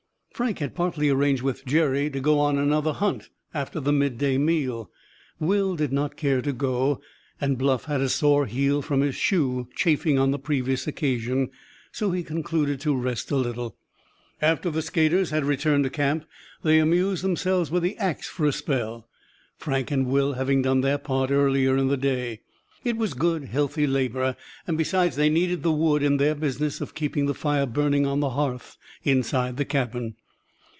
Frank had partly arranged with Jerry to go on another hunt after the midday meal. Will did not care to go, and Bluff had a sore heel from his shoe chafing on the previous occasion, so he concluded to rest a little. After the skaters had returned to camp, they amused themselves with the ax for a spell, Frank and Will having done their part earlier in the day. It was good healthy labor; and, besides, they needed the wood in their business of keeping the fire burning on the hearth inside the cabin.